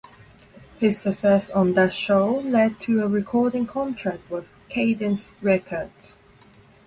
His success on that show led to a recording contract with Cadence Records.